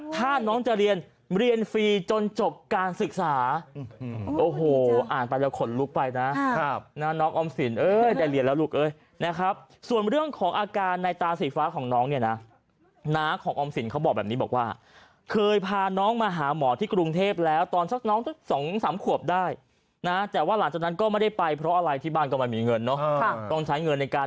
ถ้าน้องจะเรียนเรียนฟรีจนจบการศึกษาโอ้โหอ่านไปแล้วขนลุกไปนะน้องออมสินเอ้ยได้เรียนแล้วลูกเอ้ยนะครับส่วนเรื่องของอาการในตาสีฟ้าของน้องเนี่ยนะน้าของออมสินเขาบอกแบบนี้บอกว่าเคยพาน้องมาหาหมอที่กรุงเทพแล้วตอนสักน้องสักสองสามขวบได้นะแต่ว่าหลังจากนั้นก็ไม่ได้ไปเพราะอะไรที่บ้านก็ไม่มีเงินเนาะต้องใช้เงินในการ